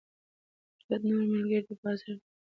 دوه نور ملګري یې د بازار د بدلونونو په وړاندې وډار شول.